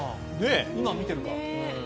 今見てるか。